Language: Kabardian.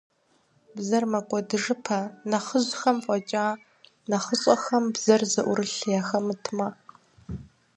Бзэр мэкӀуэдыжыпэ, нэхъыжьхэм фӀэкӀа, нэхъыщӀэхэм бзэр зыӀурылъ яхэмытмэ.